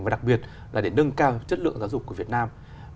và đặc biệt là để nâng cao chất lượng giáo dục của việt nam